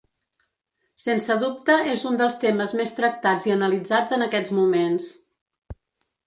Sense dubte és un dels temes més tractats i analitzats en aquests moments.